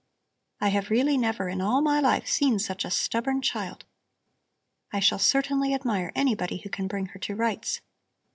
I have really never in all my life seen such a stubborn child. I shall certainly admire anybody who can bring her to rights."